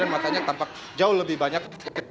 masanya tampak jauh lebih banyak